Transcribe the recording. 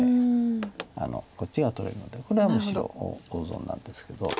こっちが取れるのでこれはもう白大損なんですけど。